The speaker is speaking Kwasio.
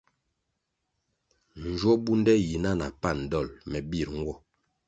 Njwo bunde yi na na pan dol me bir nwo.